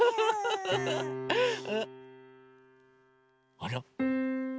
あら？